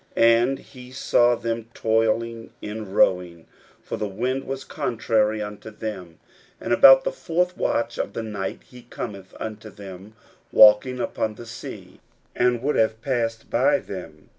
41:006:048 And he saw them toiling in rowing; for the wind was contrary unto them: and about the fourth watch of the night he cometh unto them, walking upon the sea, and would have passed by them.